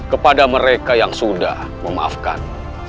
kepada mereka yang sudah memaafkan